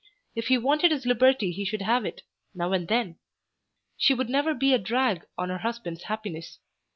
If he wanted his liberty he should have it, now and then. She would never be a drag on her husband's happiness.